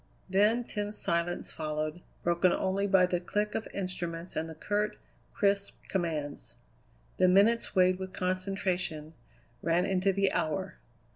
Then tense silence followed, broken only by the click of instruments and the curt, crisp commands. The minutes, weighted with concentration, ran into the hour.